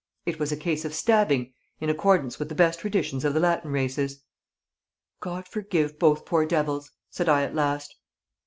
It was a case of stabbing in accordance with the best traditions of the Latin races." "God forgive both poor devils!" said I at last.